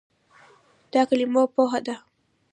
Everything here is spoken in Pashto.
دا کلمه "پوهه" ده.